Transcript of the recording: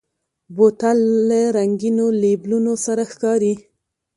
بوتل له رنګینو لیبلونو سره ښکاري.